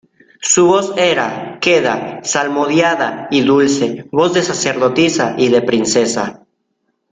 su voz era queda, salmodiada y dulce , voz de sacerdotisa y de princesa.